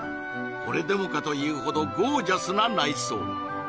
これでもかというほどゴージャスな内装